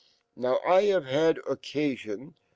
Now,I nave had occasion ?>